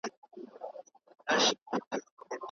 د ټاکنو پایلي څوک اعلانوي؟